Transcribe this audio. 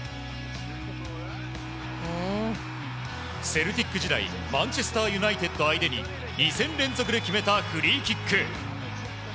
セルティック時代マンチェスター・ユナイテッド相手に２戦連続で決めたフリーキック。